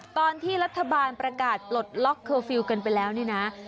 ตอนที่รัฐบาลประกาศปลดล็อกเคอร์ฟิลล์กันไปแล้วนี่นะ